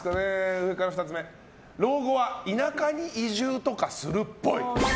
上から２つ目老後は田舎に移住とかするっぽい。